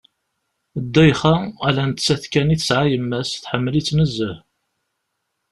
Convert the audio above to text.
Ddayxa, ala nettat kan i tesɛa yemma-s, teḥmmel-itt nezzeh.